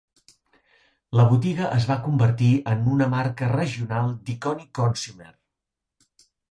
La botiga es va convertir en una marca regional d'Iconic Consumer.